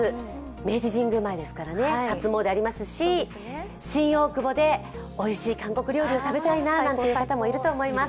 明治神宮前ですからね、初詣ありますし新大久保でおいしい韓国料理を食べたいななんていう方もいると思います。